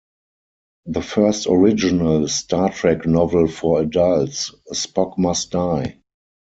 The first original "Star Trek" novel for adults, "Spock Must Die!